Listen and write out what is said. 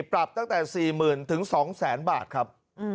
ปรับตั้งแต่๔หมื่นถึง๒แสนบาทครับ